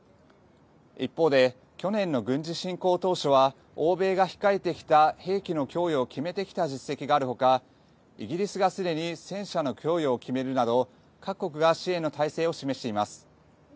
一方で去年の軍事侵攻当初は欧米が控えてきた兵器の供与を決めてきた実績がある他イギリスがすでに戦車の供与を決めるなど各国が支援の体制を示しています。